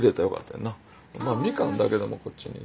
みかんだけでもこっちに。